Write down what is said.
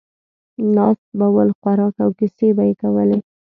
ناست به ول، خوراک او کیسې به یې کولې.